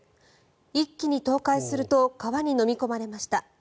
一気に倒壊すると川にのみ込まれました。